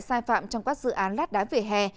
sai phạm trong các dự án lát đá về hè